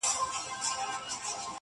تور نصيب يې كړل په برخه دوږخونه،،!